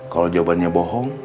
kalau jawabannya bohong